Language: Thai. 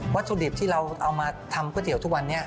ถุดิบที่เราเอามาทำก๋วยเตี๋ยวทุกวันนี้